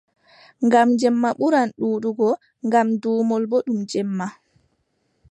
Ngam jemma ɓuran ɗuuɗugo ngam duumol boo ɗum jemma.